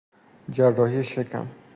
جراحی شکم